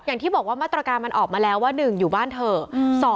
อย่างที่บอกว่ามาตรการมันออกมาแล้วว่า๑อยู่บ้านเถอะ